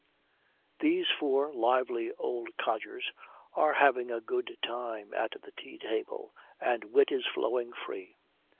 These four lively old codgers are having a good time at the tea table, and wit is flowing free.